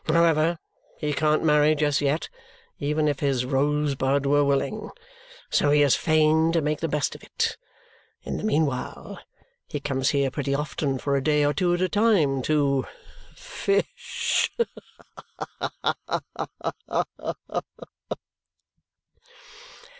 However, he can't marry just yet, even if his Rosebud were willing; so he is fain to make the best of it. In the meanwhile, he comes here pretty often for a day or two at a time to fish. Ha ha ha ha!"